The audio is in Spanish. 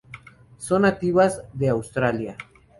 Son nativas de Australia.